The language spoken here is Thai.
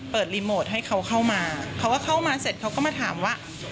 รีโมทให้เขาเข้ามาเขาก็เข้ามาเสร็จเขาก็มาถามว่า